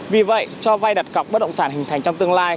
vì vậy cho vay đặt cọc bất động sản hình thành trong tương lai